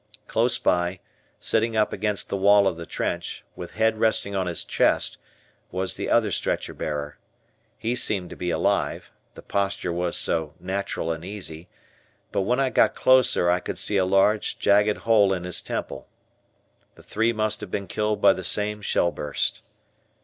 Close by, sitting up against the wall of the trench, with head resting on his chest, was the other stretcher bearer. He seemed to be alive, the posture was so natural and easy, but when I got closer, I could see a large, jagged hole in, his temple. The three must have been killed by the same shell burst.